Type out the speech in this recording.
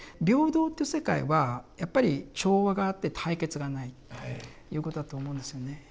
平等という世界はやっぱり調和があって対決がないということだと思うんですよね。